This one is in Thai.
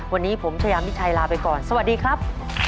วันนี้ผมชายามิชัยลาไปก่อนสวัสดีครับ